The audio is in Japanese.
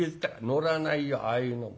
「乗らないよああいうのも。